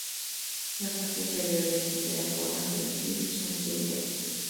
La parte inferior y el fin de la cola prensil son sin pelos.